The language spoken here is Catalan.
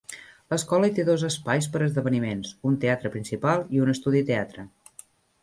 L'escola hi té dos espais per a esdeveniments, un teatre principal i un estudi teatre.